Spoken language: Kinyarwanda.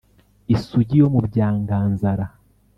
isugi yo mu byanganzara